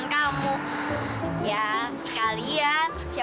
kamu yang kecil